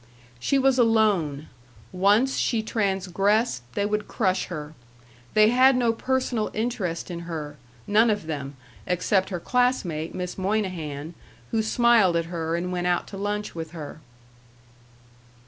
She was alone; once she transgressed they would crush her. They had no personal interest in her, none of them, except her classmate, Miss Moynihan, who smiled at her and went out to lunch with her.